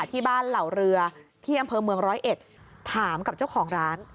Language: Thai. ที่บ้านเหล่าเรือที่อำเภอเมืองร้อยเอ็ดถามกับเจ้าของร้าน